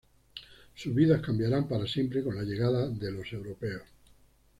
Sus vidas cambiarán para siempre con la llegada de los europeos.